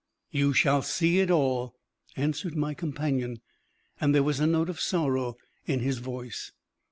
"You shall see it all," answered my companion, and there was a note of sorrow in his voice.